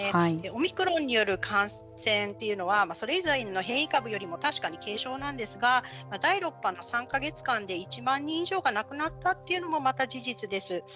オミクロンによる感染というのはそれ以前の変異株よりも確かに軽症なんですが第６波の３か月間で１万人以上が亡くなったというのもまた事実です。